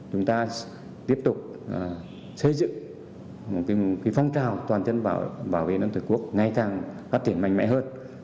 chúng ta tiếp tục xây dựng một phong trào toàn dân bảo vệ nước tây quốc ngay tháng phát triển mạnh mẽ hơn